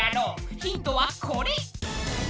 ヒントはこれ！